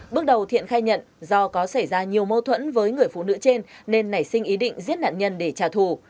bước đầu thiện khai nhận do có xảy ra nhiều mâu thuẫn với người phụ nữ trên nên nảy sinh ý định giết nạn nhân để trả thù